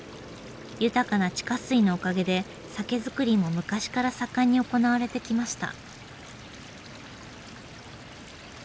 豊かな地下水のおかげで酒造りも昔から盛んに行われてきました。